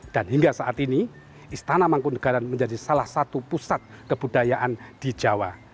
dan hingga saat ini istana mangkunegaran menjadi salah satu pusat kebudayaan di jawa